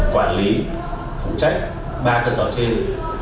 quản lý phụ trách ba cơ sở trên